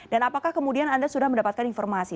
dan apakah kemudian anda sudah mendapatkan informasi